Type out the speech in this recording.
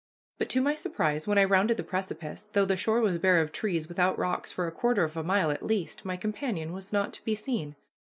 But to my surprise, when I rounded the precipice, though the shore was bare of trees, without rocks, for a quarter of a mile at least, my companion was not to be seen.